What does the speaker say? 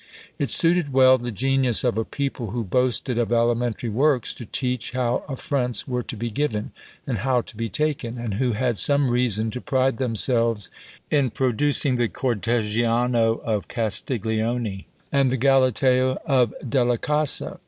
It suited well the genius of a people who boasted of elementary works to teach how affronts were to be given, and how to be taken; and who had some reason to pride themselves in producing the Cortegiano of Castiglione, and the Galateo of Della Casa.